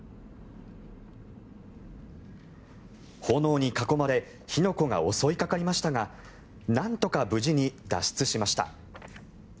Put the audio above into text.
炎に囲まれ火の粉が襲いかかりましたがなんとか無事に脱出しました。